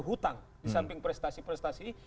hutang di samping prestasi prestasi